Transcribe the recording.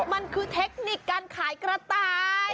มันคือเทคนิคการขายกระต่าย